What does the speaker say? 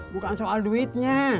bukan soal duitnya